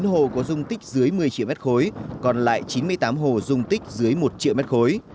bốn hồ có dung tích dưới một mươi triệu mét khối còn lại chín mươi tám hồ dùng tích dưới một triệu mét khối